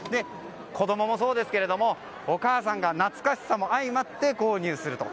子供もそうですが、お母さんが懐かしさも相まって購入すると。